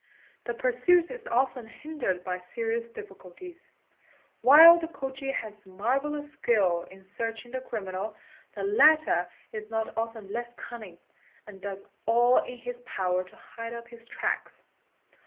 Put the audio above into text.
The pursuit is often hindered by serious difficulties. While the Khoji has marvellous skill in reaching the criminal, the latter is not often less cunning, and does all in his power to hide up his tracks.